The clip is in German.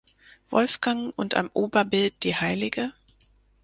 Wolfgang und am Oberbild die Hl.